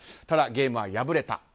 ただ、ゲームは敗れた。